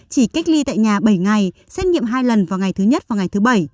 chỉ cách ly tại nhà bảy ngày xét nghiệm hai lần vào ngày thứ nhất và ngày thứ bảy